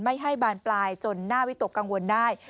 ไม่ให้บานปลายจนน่าวิตกกังวลได้